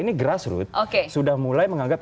ini grassroot sudah mulai menganggap